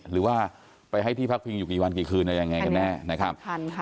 หรือว่าไปให้ที่พักพิงอยู่กี่วันกี่คืนอะไรยังไงกันแน่นะครับ